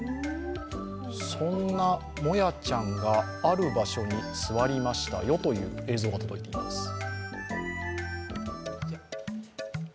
そんなもやちゃんが、ある場所に座りましたよという映像が届いてます。